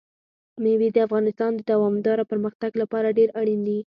مېوې د افغانستان د دوامداره پرمختګ لپاره ډېر اړین دي.